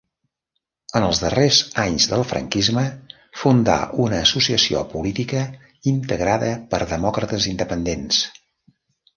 En els darrers anys del franquisme fundà una associació política integrada per demòcrates independents.